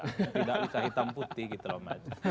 tidak bisa hitam putih gitu loh maj